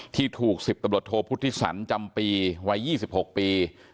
ที่ถูกสิบตบลดโทษพุทธศรรย์จำปีวัย๒๖ปี